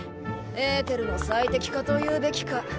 エーテルの最適化と言うべきか。